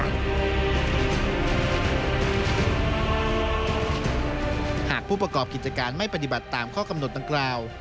หากผู้ประกอบกิจการไม่ปฏิบัติตามข้อกำหนดดังกล่าว